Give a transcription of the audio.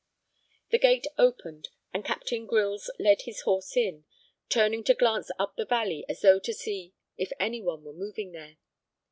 The gate opened, and Captain Grylls led his horse in, turning to glance up the valley, as though to see if any one were moving there.